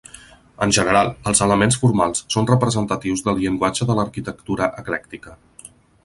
En general els elements formals són representatius del llenguatge de l'arquitectura eclèctica.